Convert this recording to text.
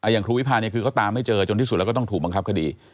อย่างครูวิพาเนี่ยคือเขาตามให้เจอจนที่สุดแล้วก็ต้องถูกบังคับคดี